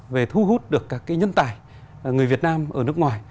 về thu hút được các cái nhân tài người việt nam ở nước ngoài